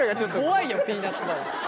怖いよピーナツバター。